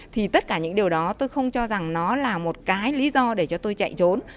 thì tất cả những điều đó tôi không cho rằng nó là một cái lý do để cho tôi chạy trốn